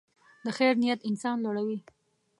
د خیر نیت انسان لوړوي.